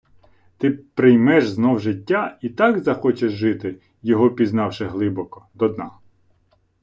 Ти приймеш знов життя і так захочеш жити, його пізнавши глибоко, до дна